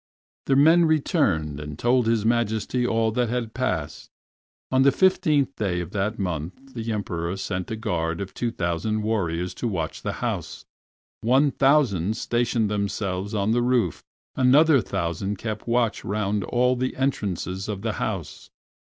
The men returned and told His Majesty all that had passed. On the fifteenth day of that month the Emperor sent a guard of two thousand warriors to watch the house. One thousand stationed themselves on the roof, another thousand kept watch round all the entrances of the house.